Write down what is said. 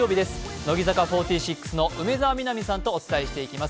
乃木坂４６の梅澤美波さんとお伝えしていきます。